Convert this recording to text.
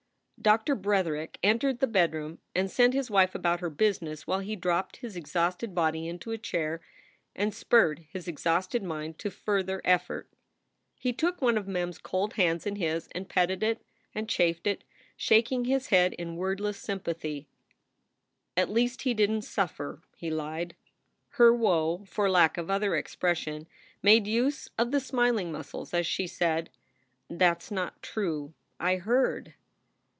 Doctor Bretherick entered the bedroom and sent his wife about her business while he dropped his exhausted body into a chair and spurred his exhausted mind to further effort. He took one of Mem s cold hands in his and petted it and chafed it, shaking his head in wordless sympathy. "At least he didn t suffer!" he lied. Her woe, for lack of other expression, made use of the smiling muscles, as she said: "That s not true. I heard."